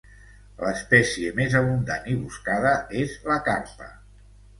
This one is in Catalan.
L'espècie més abundant i buscada és la carpa.